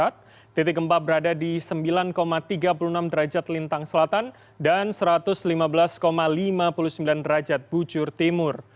titik gempa berada di sembilan tiga puluh enam derajat lintang selatan dan satu ratus lima belas lima puluh sembilan derajat bujur timur